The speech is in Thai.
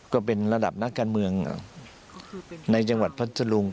ก็เป็นระดับนักการเมืองในจังหวัดพัทธรุง